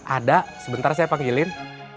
ada sebentar saya panggilin